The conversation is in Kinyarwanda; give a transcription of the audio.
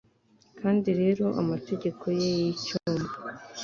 kandi rero amategeko ye yicyuma